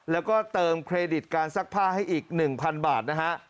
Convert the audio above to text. แล้วก็เติมเครดิตการซักผ้าให้อีก๑๐๐บาทนะฮะ